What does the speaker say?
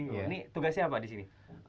ini tugasnya apa di sini